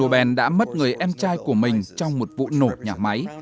alfred nobel đã mất người em trai của mình trong một vụ nổ nhà máy